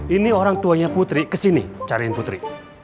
ini orang tuanya putri kesini cariin putri